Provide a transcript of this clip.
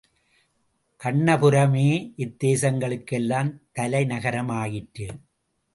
கண்ணபுரமே இத்தேசங்களுக் கெல்லாம் தலை நகராயிற்று.